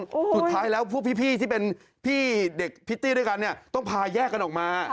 สุดท้ายแล้วพวกพี่ที่เป็นพี่เด็กพิตตี้ด้วยกันเนี่ยต้องพาแยกกันออกมา